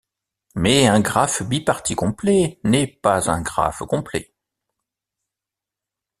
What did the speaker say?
Mais un graphe biparti complet n'est pas un graphe complet.